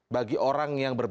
bagi orang yang berbeda